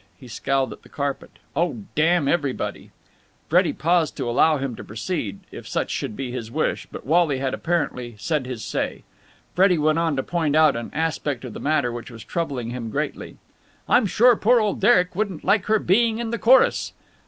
He scowled at the carpet. "Oh, damn everybody!" Freddie paused to allow him to proceed, if such should be his wish, but Wally had apparently said his say. Freddie went on to point out an aspect of the matter which was troubling him greatly. "I'm sure poor old Derek wouldn't like her being in the chorus!"